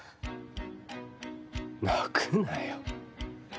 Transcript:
泣くなよ。